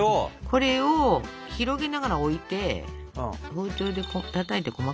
これを広げながら置いて包丁でたたいて細かくしていくと。